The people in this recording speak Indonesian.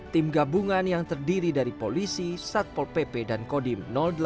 tim gabungan yang terdiri dari polisi satpol pp dan kodim delapan